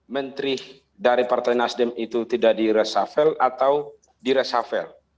menteri dari partai nasdem itu tidak diresuffle atau diresuffle